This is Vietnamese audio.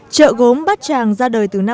chợ gốm bát tràng ra đời từ năm hai nghìn hai